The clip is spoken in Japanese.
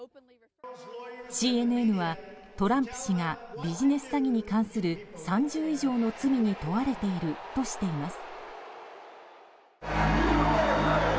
ＣＮＮはトランプ氏がビジネス詐欺に関する３０以上の罪に問われているとしています。